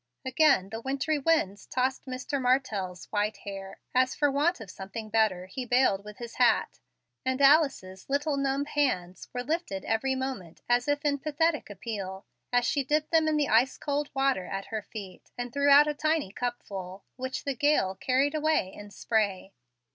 Again the wintry winds tossed Mr. Martell's white hair, as for want of something better he baled with his hat, and Alice's little numb hands were lifted every moment as if in pathetic appeal, as she dipped them in the ice cold water at her feet, and threw out a tiny cupful, which the gale carried away in spray.